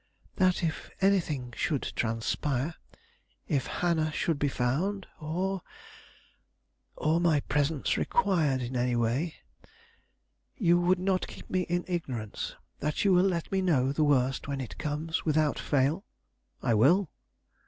"That if anything should transpire; if Hannah should be found, or or my presence required in any way, you will not keep me in ignorance. That you will let me know the worst when it comes, without fail." "I will."